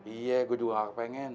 iya gue juga nggak kepengen